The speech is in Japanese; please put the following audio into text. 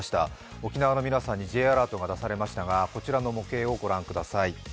沖縄の皆さんにＪアラートが発出されましたがこちらの模型をご覧ください。